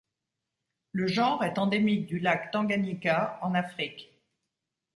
Le genre est endémique du lac Tanganyika en Afrique.